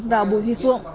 và bùi huy phượng